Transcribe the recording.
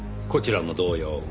こちらも同様。